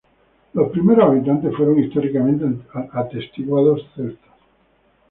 Los primeros habitantes fueron históricamente atestiguados celtas.